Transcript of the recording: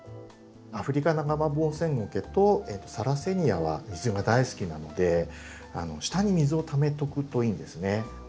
アフリカナガバモウセンゴケとサラセニアは水が大好きなので下に水をためとくといいんですね。